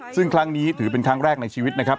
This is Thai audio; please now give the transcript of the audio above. ซึ่งครั้งนี้ถือเป็นครั้งแรกในชีวิตนะครับ